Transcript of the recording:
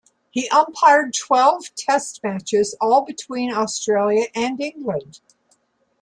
He umpired twelve Test matches, all between Australia and England.